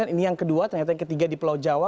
ini yang kedua ternyata yang ketiga di pulau jawa